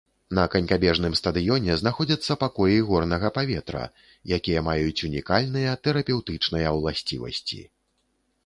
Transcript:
На канькабежным стадыёне знаходзяцца пакоі горнага паветра, якія маюць унікальныя тэрапеўтычныя уласцівасці.